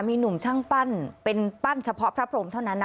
มีหนุ่มช่างปั้นเป็นปั้นเฉพาะพระพรมเท่านั้นนะ